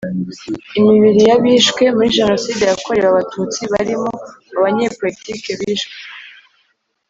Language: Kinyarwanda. imibiri y abishwe muri Jenoside yakorewe Abatutsi barimo abanyepolitiki bishwe